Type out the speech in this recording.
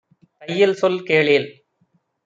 தையல் சொல் கேளேல்.